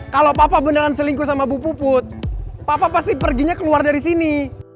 kalau papa beneran selingkuh sama bu put papa pasti perginya keluar dari sini